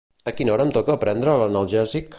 A quina hora em toca prendre l'analgèsic?